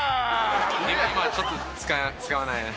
今ちょっと使わないね。